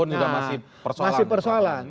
sekarang pun masih persoalan